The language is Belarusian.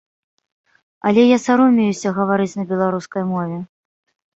Але я саромеюся гаварыць на беларускай мове.